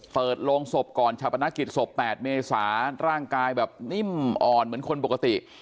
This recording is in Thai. เปิดโรงศพก่อนชาปนกิจศพ๘เมษาร่างกายแบบนิ่มอ่อนเหมือนคนปกติ